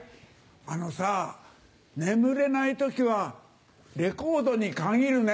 あのさ眠れない時はレコードに限るね。